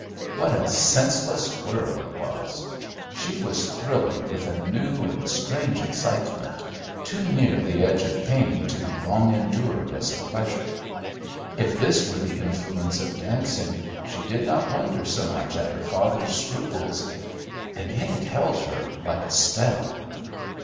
What a senseless whirl it was. She was thrilling with a new and strange excitement, too near the edge of pain to be long endured as a pleasure. If this were the influence of dancing she did not wonder so much at her father's scruples, and yet it held her like a spell.